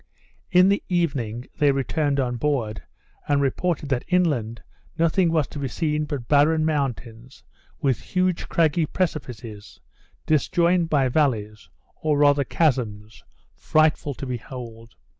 In the evening they returned on board, and reported that inland, nothing was to be seen but barren mountains, with huge craggy precipices, disjoined by valleys, or rather chasms, frightful to behold.